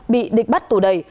bị địch bắt tù đầy